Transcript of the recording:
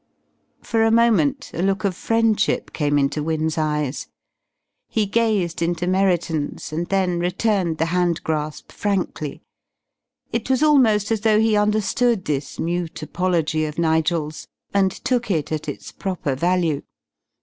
For a moment a look of friendship came into Wynne's eyes. He gazed into Merriton's, and then returned the hand grasp frankly. It was almost as though he understood this mute apology of Nigel's, and took it at its proper value.